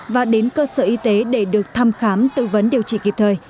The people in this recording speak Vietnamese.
và đến cơ sở y tế để được thăm khám tư vấn điều trị kịp thời